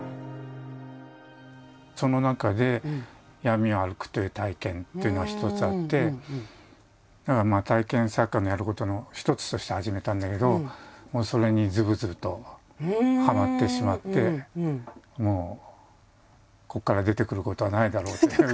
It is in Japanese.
その中で闇を歩くという体験っていうのが一つあって体験作家をやることの一つとして始めたんだけどそれにズブズブとはまってしまってもうここから出てくることはないだろうっていう感じ。